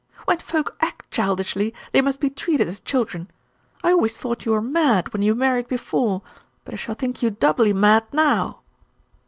"When folk act childishly, they must be treated as children. I always thought you were mad when you married before, but I shall think you doubly mad now."